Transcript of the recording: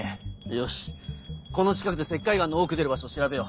よしこの近くで石灰岩の多く出る場所を調べよう。